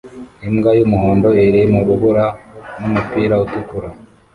Imbwa y'umuhondo iri mu rubura n'umupira utukura